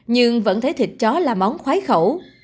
nhưng vẫn thấy thịt chó là món khoái khẩu